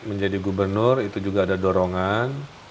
menjadi gubernur itu juga ada dorongan